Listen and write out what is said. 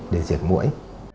để diệt mũi